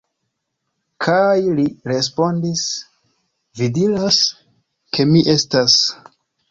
Kaj li respondis: Vi diras, ke mi estas.